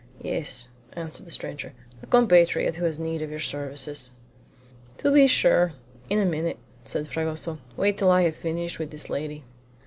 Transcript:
"Yes," answered the stranger. "A compatriot who has need of your services." "To be sure! In a minute," said Fragoso. "Wait till I have finished with this lady!"